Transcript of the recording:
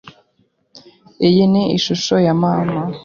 Iyi ni ishusho ya mama.